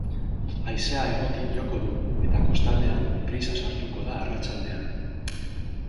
Haizea hegotik joko du, eta kostaldean, brisa sartuko da arratsaldean.